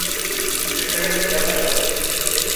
Иртәгә бит Яңы йыл!